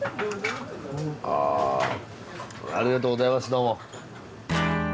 ありがとうございますどうも。